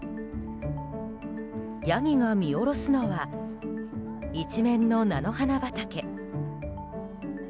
ヤギが見下ろすのは一面の菜の花畑。